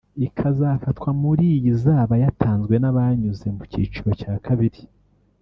ikazafatwa muri iyi izaba yatanzwe n’abanyuze mu cyiciro cya kabiri